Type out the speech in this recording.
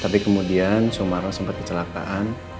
tapi kemudian sumarno sempat kecelakaan